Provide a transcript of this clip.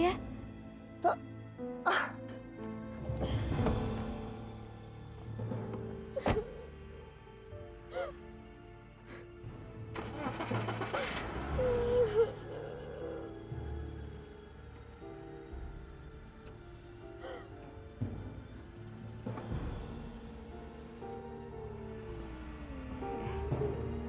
sekarang mas pulang aja ya